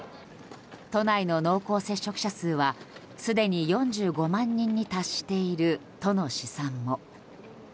都内の濃厚接触者数はすでに４５万人に達しているとの試算も。